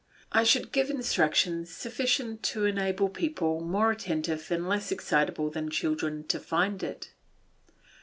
I should give instructions sufficient to enable people more attentive and less excitable than children to find it.